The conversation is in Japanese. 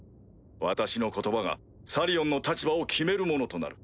私の言葉がサリオンの立場を決めるものとなる。